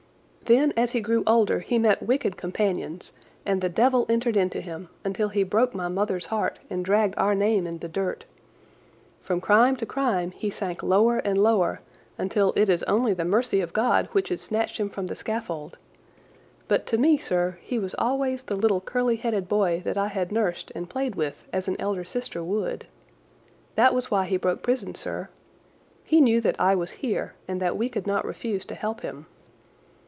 Then as he grew older he met wicked companions, and the devil entered into him until he broke my mother's heart and dragged our name in the dirt. From crime to crime he sank lower and lower until it is only the mercy of God which has snatched him from the scaffold; but to me, sir, he was always the little curly headed boy that I had nursed and played with as an elder sister would. That was why he broke prison, sir. He knew that I was here and that we could not refuse to help him.